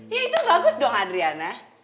ya itu bagus dong adriana